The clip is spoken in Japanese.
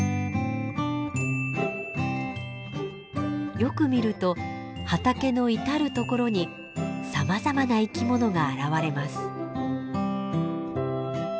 よく見ると畑の至る所にさまざまな生き物が現れます。